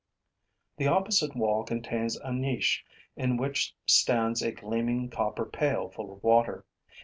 The opposite wall contains a niche in which stands a gleaming copper pail full of water.